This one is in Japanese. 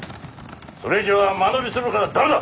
それ以上は間延びするから駄目だ！